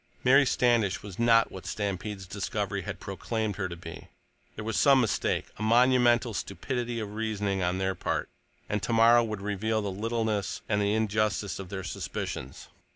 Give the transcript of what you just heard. Mary Standish was not what Stampede's discovery had proclaimed her to be; there was some mistake, a monumental stupidity of reasoning on their part, and tomorrow would reveal the littleness and the injustice of their suspicions.